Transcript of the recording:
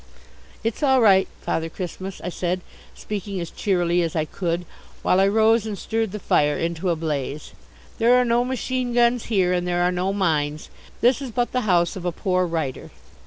"It's all right, Father Christmas," I said, speaking as cheerily as I could, while I rose and stirred the fire into a blaze. "There are no machine guns here and there are no mines. This is but the house of a poor writer."